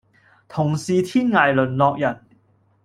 同是天涯淪落人